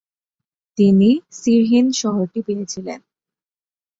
তিনি সিরহিন্দ শহরটি পেয়েছিলেন।